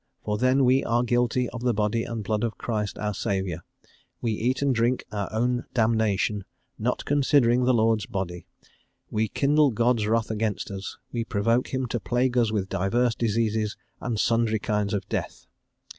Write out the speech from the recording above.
For then we are guilty of the Body and Blood of Christ our Saviour; we eat and drink our own damnation, not considering the Lord's Body; we kindle God's wrath against us; we provoke him to plague us with divers diseases, and sundry kinds of death."